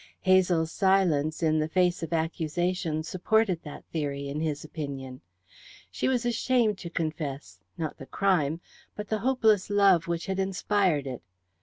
Hazel's silence in the face of accusation supported that theory, in his opinion. She was ashamed to confess, not the crime, but the hopeless love which had inspired it.